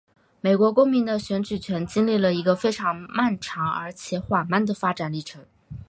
美国公民的选举权经历了一个非常漫长而且缓慢的发展历程。